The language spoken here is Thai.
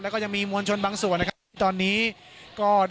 แล้วก็ยังมีมวลชนบางส่วนนะครับตอนนี้ก็ได้ทยอยกลับบ้านด้วยรถจักรยานยนต์ก็มีนะครับ